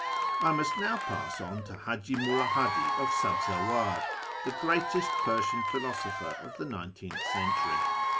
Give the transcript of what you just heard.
I must now pass on to Haji Mulla Hadi of Sabzawar, the '•reatest Persian philosopher of the present century.